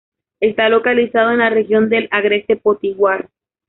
Está localizado en la región del Agreste potiguar.